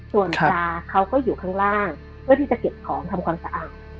ส่วนปลาเขาก็อยู่ข้างล่างเพื่อที่จะเก็บของทำความสะอาด